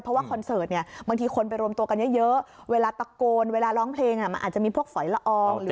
เพราะว่าคอนเสิร์ตเนี่ยบางทีคนไปรวมตัวกันเยอะเวลาตะโกนเวลาร้องเพลงมันอาจจะมีพวกฝอยละออง